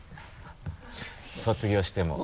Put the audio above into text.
卒業しても。